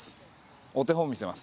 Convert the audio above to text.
お手本、見せます。